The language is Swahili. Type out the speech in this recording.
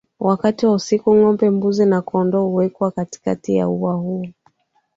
Wakati wa Usiku ngombe mbuzi na kondoo huwekwa katikati ya uwa huo